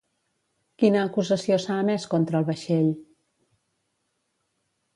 Quina acusació s'ha emès contra el vaixell?